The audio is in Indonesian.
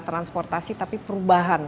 transportasi tapi perubahan